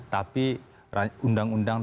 tapi undang undang kpk